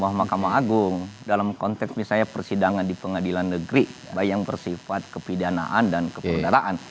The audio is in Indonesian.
badan peradilan di bawah mahkamah agung dalam konteks misalnya persidangan di pengadilan negeri yang bersifat kepidanaan dan kebenaran